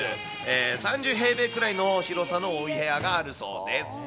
３０平米くらいの広さのお部屋があるそうです。